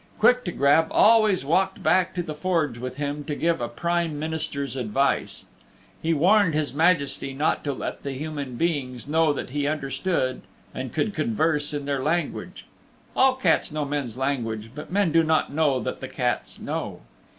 Quick to Grab always walked back to the Forge with him to give a Prime Minister's advice. He warned His Majesty not to let the human beings know that he understood and could converse in their language (all cats know men's language, but men do not know that the cats know).